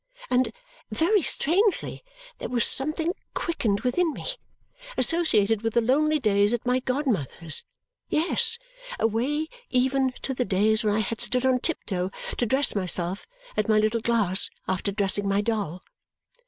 And, very strangely, there was something quickened within me, associated with the lonely days at my godmother's; yes, away even to the days when I had stood on tiptoe to dress myself at my little glass after dressing my doll.